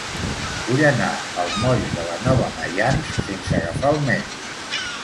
Vull anar al moll de la Nova Maians sense agafar el metro.